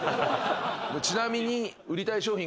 ちなみに。